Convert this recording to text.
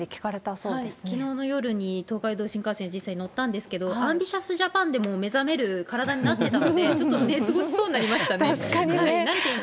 きのうの夜に東海道新幹線、実際に乗ったんですけど、ＡＭＢＩＴＩＯＵＳＪＡＰＡＮ！で目覚める体になってたので、ちょっと寝過ごしそうになりましたね。